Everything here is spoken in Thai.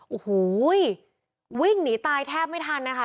โอ้โหวิ่งหนีตายแทบไม่ทันนะคะ